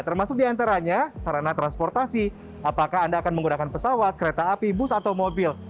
termasuk diantaranya sarana transportasi apakah anda akan menggunakan pesawat kereta api bus atau mobil